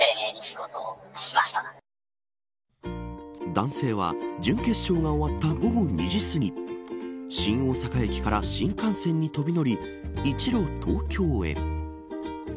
男性は準決勝が終わった午後２時すぎ新大阪駅から新幹線に飛び乗り一路東京へ。